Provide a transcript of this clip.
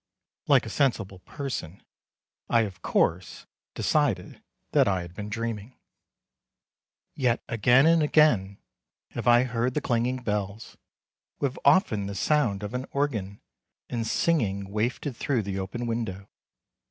Like a sensible person, I of course decided that I had been dreaming. Yet again and again have I heard the clanging bells, with often the sound of an organ and singing wafted through the open window.